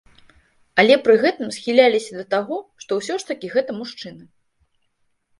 Але пры гэтым схіляліся да таго, што ўсё ж такі гэта мужчына.